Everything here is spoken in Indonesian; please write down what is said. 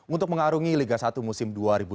untuk mengarungi liga satu musim dua ribu delapan belas